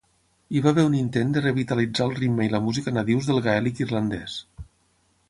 Hi va haver un intent de revitalitzar el ritme i la música nadius del gaèlic irlandès.